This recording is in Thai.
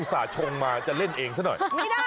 อุตส่าห์ชมมาจะเล่นเองซักหน่อย